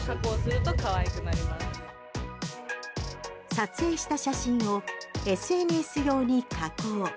撮影した写真をＳＮＳ用に加工。